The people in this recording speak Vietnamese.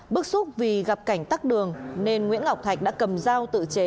bức xúc vì gặp cảnh tắt đường nên nguyễn ngọc thạch đã cầm dao tự chế